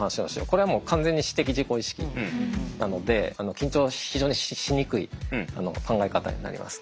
これはもう完全に私的自己意識なので緊張非常にしにくい考え方になります。